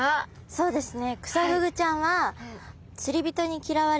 そうですね。